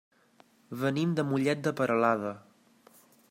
Venim de Mollet de Peralada.